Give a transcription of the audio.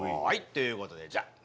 はい！ということでじゃ！